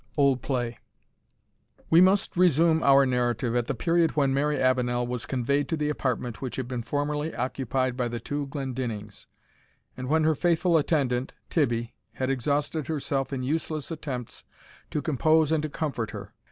OLD PLAY. We must resume our narrative at the period when Mary Avenel was conveyed to the apartment which had been formerly occupied by the two Glendinnings, and when her faithful attendant, Tibbie, had exhausted herself in useless attempts to compose and to comfort her.